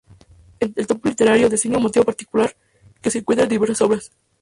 El topos literario designa un motivo particular que se encuentra en diversas obras.